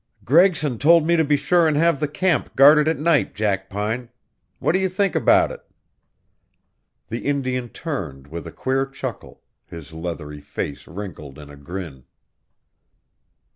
"Gregson told me to be sure and have the camp guarded at night, Jackpine. What do you think about it?" The Indian turned with a queer chuckles his lathery face wrinkled in a grin.